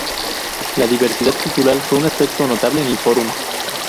La diversidad cultural fue un aspecto notable del forum.